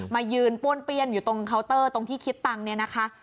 มายืนป้วนเปี้ยนอยู่ตรงเคาน์เตอร์ตรงที่คิดตังค์เนี่ยนะคะ